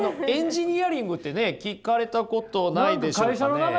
エンジニアリングってね聞かれたことないでしょうかね？